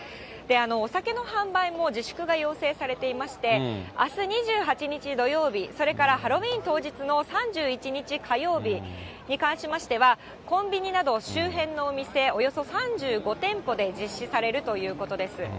お酒の販売も自粛が要請されていまして、あす２８日土曜日、それからハロウィーン当日の３１日火曜日に関しましては、コンビニなど周辺のお店およそ３５店舗で実施されるということです。